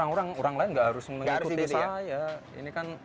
orang orang lain nggak harus mengikuti saya